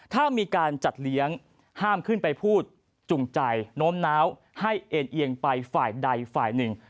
ถ้ามีการจัดเลี้ยงห้ามขึ้นไปพูดจุงใจโน้มน้าวให้เอ็นเอียงไปฝ่ายใดฝ่ายหนึ่ง